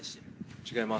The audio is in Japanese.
違います。